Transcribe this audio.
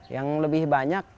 yang lebih banyak